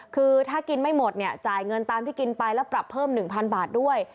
คือถ้ากินไม่หมดเนี่ยจ่ายเงินตามที่กินไปแล้วปรับเพิ่ม๑๐๐บาทด้วย